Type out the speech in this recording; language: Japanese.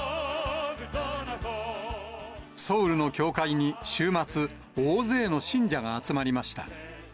ソウルの教会に週末、大勢の信者が集まりました。